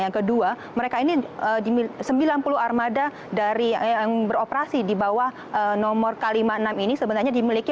yang kedua mereka ini sembilan puluh armada yang beroperasi di bawah nomor k lima enam ini sebenarnya dimiliki oleh pengusaha yang berbeda beda